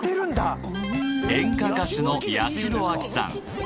演歌歌手の八代亜紀さん